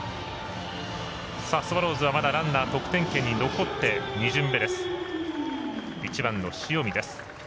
スワローズはまだランナーは得点圏に残って２巡目です、１番、塩見。